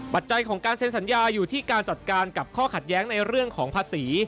ปัจจัยของการเซ็นสัญญาอยู่ที่การจัดการกับข้อขัดแย้งในเรื่องของภาษี